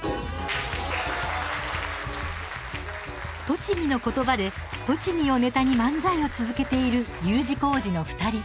栃木の言葉で栃木をネタに漫才を続けているＵ字工事の２人。